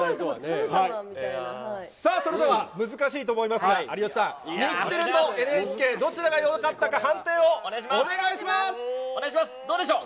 さあそれでは、難しいと思いますが、有吉さん、日テレとＮＨＫ、どちらがよかったか判定をおお願いします、どうでしょう。